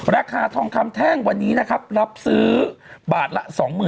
ราคาทองคำแท่งวันนี้นะครับรับซื้อบาทละ๒๐๐๐